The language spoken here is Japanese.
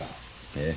ええ。